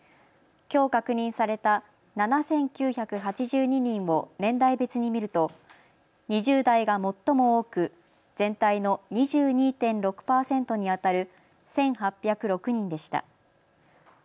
きょう確認された７９８２人を年代別に見ると２０代が最も多く全体の２２．６％にあたる１８０６人でした。